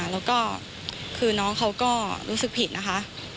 แล้วก็คือน้องเขาก็รู้สึกผิดนะคะ